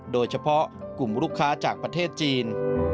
โดยเฉพาะกลุ่มลูกค้าจากประเทศจีน